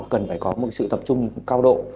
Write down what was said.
cần phải có một sự tập trung cao độ